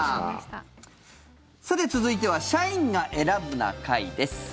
さて、続いては「社員が選ぶな会」です。